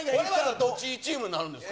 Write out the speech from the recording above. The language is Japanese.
どっちチームになるんですか？